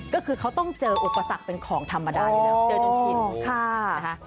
ก็คือเขาต้องเจออุปสรรคเป็นของธรรมดาอยู่แล้วเจอจนชิ้นนะคะ